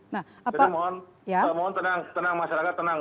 jadi mohon tenang masyarakat tenang